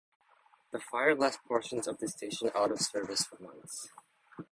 The fire left portions of the station out of service for months.